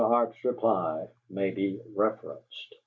Arp's reply may be reverenced.